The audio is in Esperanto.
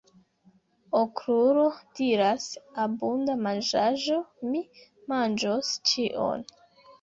Okrulo diras: "Abunda manĝaĵo! Mi manĝos ĉion!"